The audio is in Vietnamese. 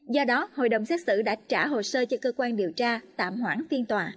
do đó hội đồng xét xử đã trả hồ sơ cho cơ quan điều tra tạm hoãn phiên tòa